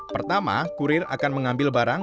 pertama kurir akan mengambil barang